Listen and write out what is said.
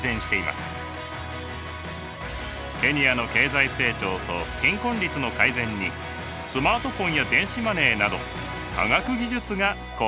ケニアの経済成長と貧困率の改善にスマートフォンや電子マネーなど科学技術が貢献しているのです。